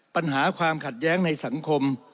ปัญหาความขัดแย้งในสังคม